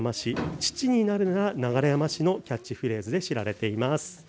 父になるなら流山市。のキャッチフレーズで知られています。